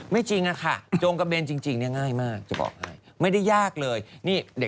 ไม่จริงอะค่ะโจงกระเบนจริงนี่ง่ายมากจะบอกให้